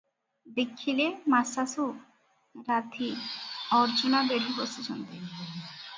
ଦେଖିଲେ ମାଶାଶୁ, ରାଧୀ, ଅର୍ଜୁନା ବେଢ଼ି ବସିଛନ୍ତି ।